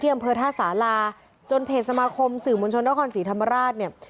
อำเภอท่าสาราจนเพจสมาคมสื่อมวลชนนครศรีธรรมราชเนี่ย